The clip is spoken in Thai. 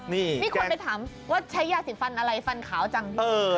นี่มีคนไปถามว่าใช้ยาสีฟันอะไรฟันขาวจัง